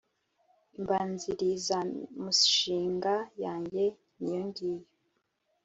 imbanzirizamushinga yange niyongiyo,